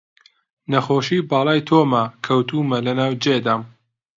نەخۆشی باڵای تۆمە، کەوتوومە لە ناو جێدام